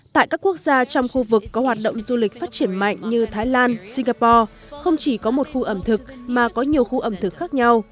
tại các quốc gia trong khu vực có hoạt động du lịch phát triển mạnh như thái lan singapore không chỉ có một khu ẩm thực mà có nhiều khu ẩm thực khác nhau